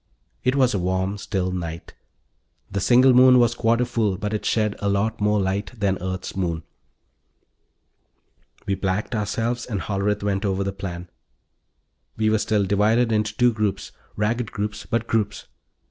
It was a warm, still night; the single moon was quarter full but it shed a lot more light than Earth's moon; we blacked ourselves and Hollerith went over the plans. We were still divided into two groups ragged groups, but groups.